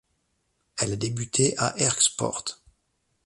Elle a débuté à Herk Sport.